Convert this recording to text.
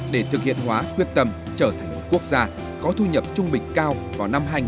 để thực hiện hóa quyết tâm trở thành một quốc gia có thu nhập trung bình cao vào năm hai nghìn ba mươi